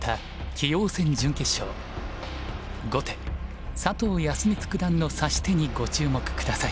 康光九段の指し手にご注目ください。